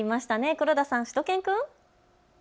黒田さん、しゅと犬くん。